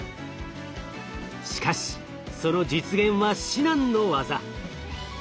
しかしその実現は至難の業。